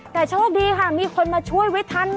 แต่โชคดีค่ะมีคนมาช่วยวิทย์ธรรมค่ะ